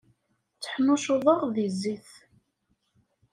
Tteḥnuccuḍeɣ di zzit.